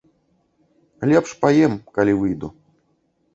Лепш паем, калі выйду.